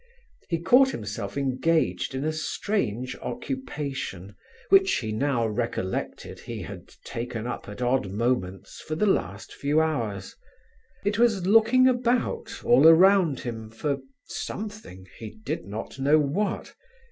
He caught himself engaged in a strange occupation which he now recollected he had taken up at odd moments for the last few hours—it was looking about all around him for something, he did not know what.